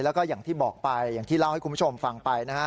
แล้วก็อย่างที่บอกไปอย่างที่เล่าให้คุณผู้ชมฟังไปนะฮะ